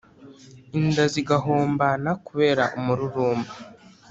inda zigahombana kubera umururumba